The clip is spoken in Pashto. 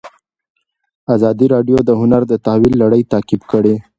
ازادي راډیو د هنر د تحول لړۍ تعقیب کړې.